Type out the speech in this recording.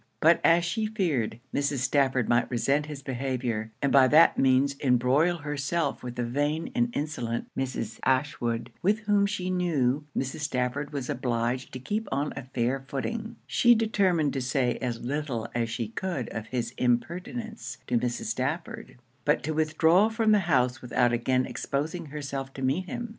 But as she feared Mrs. Stafford might resent his behaviour, and by that means embroil herself with the vain and insolent Mrs. Ashwood, with whom she knew Stafford was obliged to keep on a fair footing, she determined to say as little as she could of his impertinence to Mrs. Stafford, but to withdraw from the house without again exposing herself to meet him.